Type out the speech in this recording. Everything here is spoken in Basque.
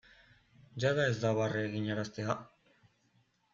Jada ez da barre eginaraztea?